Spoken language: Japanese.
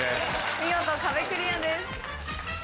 見事壁クリアです。